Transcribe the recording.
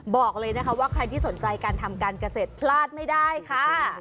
บอกเลยนะคะว่าใครที่สนใจการทำการเกษตรพลาดไม่ได้ค่ะ